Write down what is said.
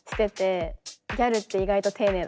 ギャルって意外と丁寧だから。